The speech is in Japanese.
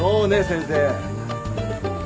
先生。